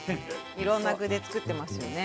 いろんな具で作ってますよね。